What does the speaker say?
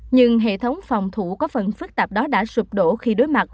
nhưng hệ thống phòng thủ có phần phức tạp đó đã sụp đổ khi đối mặt